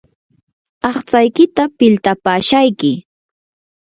aqtsaykita piltapaashayki.